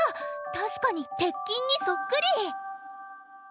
確かに鉄琴にそっくり。